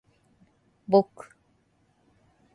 ぼく